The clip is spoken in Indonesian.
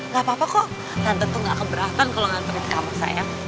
gak apa apa kok tante tuh gak keberatan kalau anterin kamu sayang